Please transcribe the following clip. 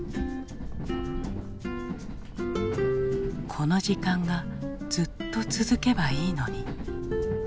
「この時間がずっと続けばいいのに」。